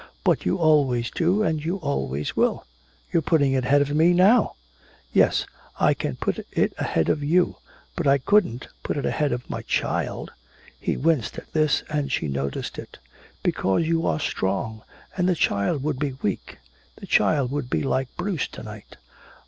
But you always do and you always will! You're putting it ahead of me now!" "Yes, I can put it ahead of you! But I couldn't put it ahead of my child!" He winced at this and she noticed it. "Because you are strong, and the child would be weak! The child would be like Bruce to night!"